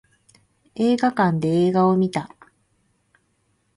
映画館で映画を見た